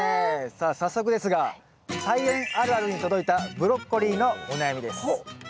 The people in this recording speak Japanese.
さあ早速ですが「菜園あるある」に届いたブロッコリーのお悩みです。